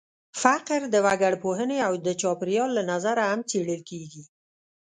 فقر د وګړپوهنې او د چاپېریال له نظره هم څېړل کېږي.